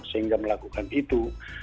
sehingga melakukan itu